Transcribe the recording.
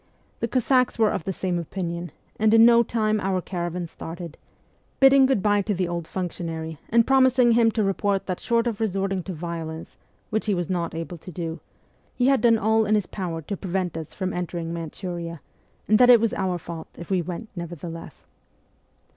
The Cossacks were of the same opinion, and in no time our caravan started, bidding good bye to the old functionary and promising him to report that short of resorting to violence which he was not able to do he had done all in his power to prevent us from entering Manchuria, and that it was our fault if we went nevertheless.